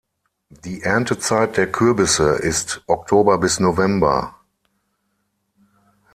Die Erntezeit der Kürbisse ist Oktober bis November.